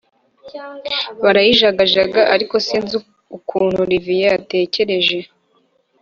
barayijagajaga ariko sinzi ukuntu olivier yatekereje